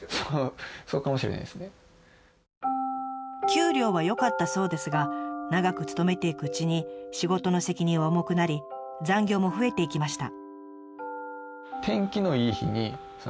給料は良かったそうですが長く勤めていくうちに仕事の責任は重くなり残業も増えていきました。